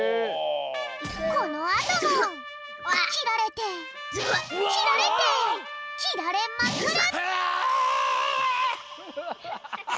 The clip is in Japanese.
このあともきられてきられてきられまくる！